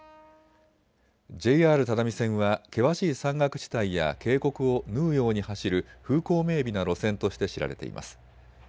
ＪＲ只見線は険しい山岳地帯や渓谷を縫うように走る風光明美な路線として知られています。